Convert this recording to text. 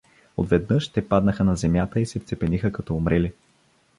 Отведнъж те паднаха на земята и се вцепениха като умрели.